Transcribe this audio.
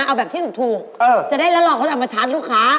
เอาแบบที่ถูกจะได้แล้วรอเขาจะเอามาชาร์จลูกค้า